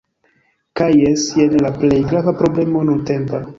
Kaj jes, jen la plej grava problemo nuntempa